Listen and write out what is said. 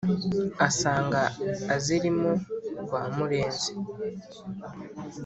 asanga azirimo rwamurenzi